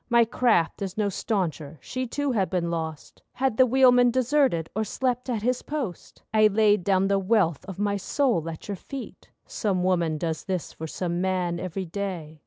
My craft is no stauncher, she too had been lost Had the wheelman deserted, or slept at his post. I laid down the wealth of my soul at your feet (Some woman does this for some man every day).